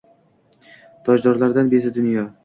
Tojdorlardan bezdi dunyo